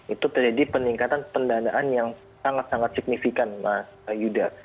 itu terjadi peningkatan pendanaan yang sangat sangat signifikan mas yuda